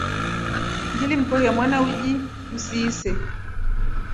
Ngile mkorya mwana uji usise.